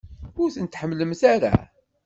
Ur ten-tḥemmlemt ara?